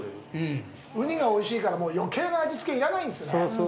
ウニがおいしいから余計な味付け要らないんですね。